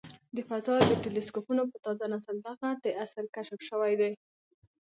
د فضا د ټیلسکوپونو په تازه نسل دغه د عصر کشف شوی دی.